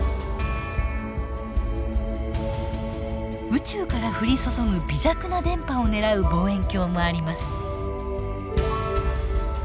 宇宙から降り注ぐ微弱な電波を狙う望遠鏡もあります。